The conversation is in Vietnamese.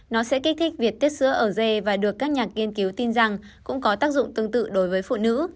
nó sẽ kích thích việc tiết sữa ở dê và được các nhà nghiên cứu tin rằng cũng có tác dụng tương tự đối với phụ nữ